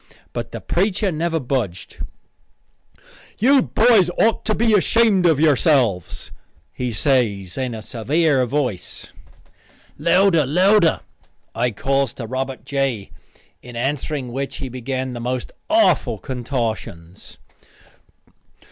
But the preacher never budged. "You boys otter be ashamed of yourselves," he says in a severe voice. "Louder, louder," I calls to Robert J., in answering which he began the most awful contortions.